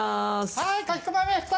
はいかひこまみやした。